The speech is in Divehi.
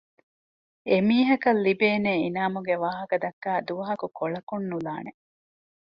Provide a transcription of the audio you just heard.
އެ މީހަކަށްލިބޭނޭ އިނާމުގެވާހަކަ ދައްކައި ދުވަހަކު ކޮޅަކުންނުލާނެ